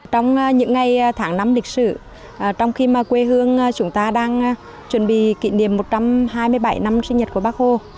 trong những ngày tháng năm lịch sử trong khi mà quê hương chúng ta đang chuẩn bị kỷ niệm một trăm hai mươi bảy năm sinh nhật của bác hồ